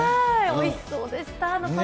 おいしそうでした。